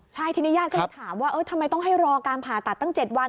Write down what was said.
ใช่ทีนี้ญาติก็เลยถามว่าทำไมต้องให้รอการผ่าตัดตั้ง๗วัน